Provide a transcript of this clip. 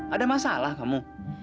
ada masalah kamu